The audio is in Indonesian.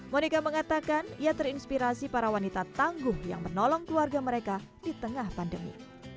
monika mengatakan ia terinspirasi para wanita tangguh yang menolong keluarga mereka di tengah pandemi